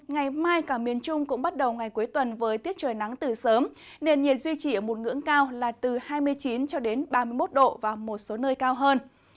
ngày mai cả miền trung cũng bắt đầu ngày cuối tuần với tiết trời nắng từ sớm nền nhiệt duy trì ở một ngưỡng cao là từ hai mươi chín ba mươi một độ và một số nơi cao hơn